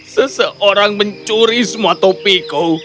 seseorang mencuri semua topiku